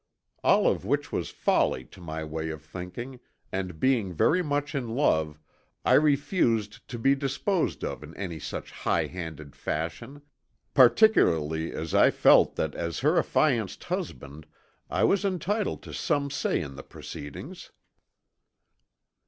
All of which was folly to my way of thinking, and being very much in love, I refused to be disposed of in any such high handed fashion, particularly as I felt that as her affianced husband I was entitled to some say in the proceedings.